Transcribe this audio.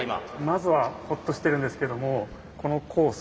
まずはホッとしてるんですけどもこのコース